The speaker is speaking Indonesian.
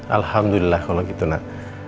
alhamdulillah kalau gitu nak